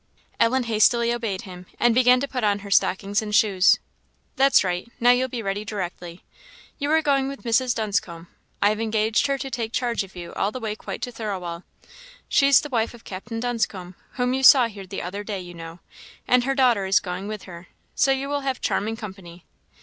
Ellen hastily obeyed him, and began to put on her stockings and shoes. "That's right now you'll be ready directly. You are going with Mrs. Dunscombe I have engaged her to take charge of you all the way quite to Thirlwall; she's the wife of Captain Dunscombe, whom you saw here the other day, you know; and her daughter is going with her, so you will have charming company.